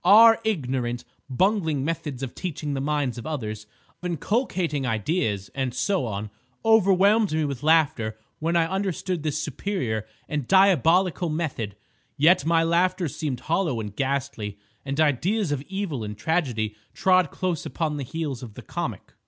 Our ignorant, bungling methods of teaching the minds of others, of inculcating ideas, and so on, overwhelmed me with laughter when I understood this superior and diabolical method. Yet my laughter seemed hollow and ghastly, and ideas of evil and tragedy trod close upon the heels of the comic.